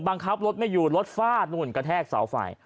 บังคับรถไม่อยู่รถฟาดนู่นกระแทกเสาไฟ